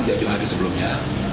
ini ada jauh jauh sebelumnya